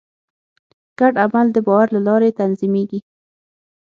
ګډ عمل د باور له لارې تنظیمېږي.